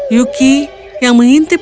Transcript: yuki yang mengintip